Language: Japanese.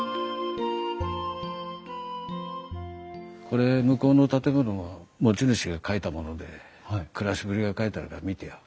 これ向こうの建物の持ち主が書いたもので暮らしぶりが書いてあるから見てよ。